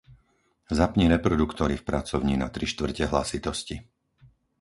Zapni reproduktory v pracovni na trištvrte hlasitosti.